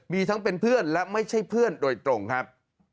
มีทั้งเป็นเพื่อนและไม่ใช่เพื่อนโดยตรงครับ